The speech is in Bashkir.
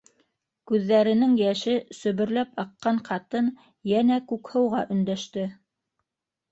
- Күҙҙәренең йәше сөбөрләп аҡҡан ҡатын йәнә Күкһыуға өндәште.